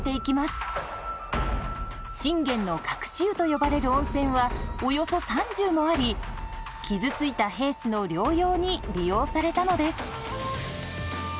信玄の隠し湯と呼ばれる温泉はおよそ３０もあり傷ついた兵士の療養に利用されたのです。